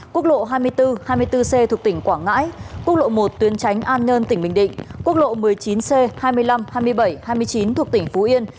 quốc lộ hai mươi bốn hai mươi bốn c thuộc tỉnh quảng ngãi quốc lộ một tuyến tránh an nhơn tỉnh bình định quốc lộ một mươi chín c hai mươi năm hai mươi bảy hai mươi chín thuộc tỉnh phú yên